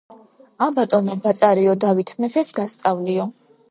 ა ბატონო ბაწარიო დავით მეფეს გასწავლიო.